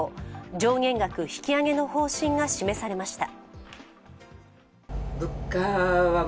上限額引き上げの方針が示されました。